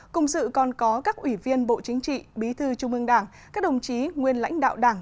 cùng dự còn có các ủy viên bộ chính trị bí thư trung ương đảng các đồng chí nguyên lãnh đạo đảng